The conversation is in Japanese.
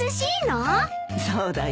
そうだよ。